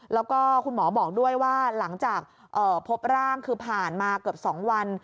แล้วก็คุณหมอบอกด้วยว่าหลังจากพบร่างคือผ่านมาเกือบ๒วัน